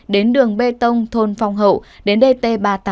đến đường bê tông thôn phong hậu đến dt ba mươi tám